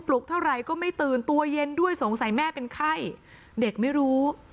ลุกเท่าไหร่ก็ไม่ตื่นตัวเย็นด้วยสงสัยแม่เป็นไข้เด็กไม่รู้